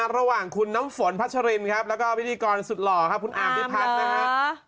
ระหว่างคุณน้ำฝนพัชรินแล้วก็พิธีกรสุดหล่อคุณอาร์มพิพัศน์